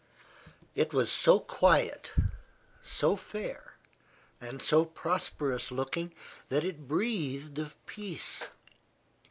It was so quiet, so fair, and so prosperous looking that it breathed of peace.